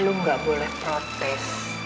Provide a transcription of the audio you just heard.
lu gak boleh protes